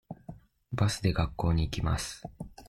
バスで学校に行きます。